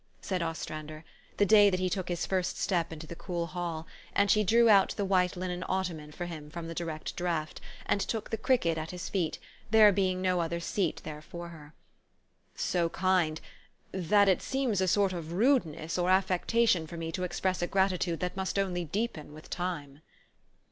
" said Ostrander, the day that he took his first step into the cool hall, and she drew out the white linen ottoman for him from the direct draught, and took the cricket at his feet, there being no other seat there for her, "so kind, that it seems a sort of rudeness or affectation 170 THE STORY OF AVIS. for me to express a gratitude that must only deepen with time."